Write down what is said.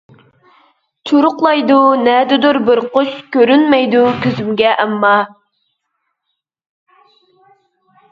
چۇرۇقلايدۇ نەدىدۇر بىر قۇش، كۆرۈنمەيدۇ كۆزۈمگە ئەمما.